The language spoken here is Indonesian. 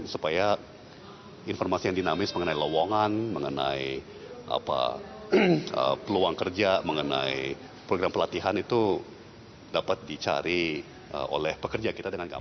supaya informasi yang dinamis mengenai lowongan mengenai peluang kerja mengenai program pelatihan itu dapat dicari oleh pekerja kita dengan gampang